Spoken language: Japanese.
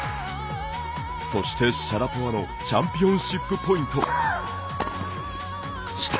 そして、シャラポワのチャンピオンシップポイント。